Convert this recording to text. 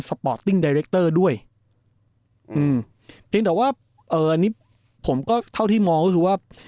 ปอร์ตติ้งไดเรคเตอร์ด้วยอืมเพียงแต่ว่าเอ่ออันนี้ผมก็เท่าที่มองก็คือว่า